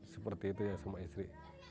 seperti itu ya sama istri